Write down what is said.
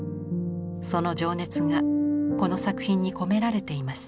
その情熱がこの作品に込められています。